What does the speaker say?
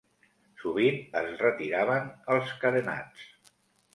Sovint, es retiraven els carenats.